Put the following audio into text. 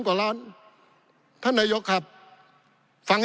ปี๑เกณฑ์ทหารแสน๒